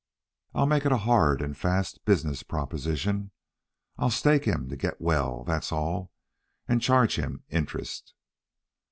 I'll make it a hard and fast business proposition. I'll stake him to get well, that's all, and charge him interest."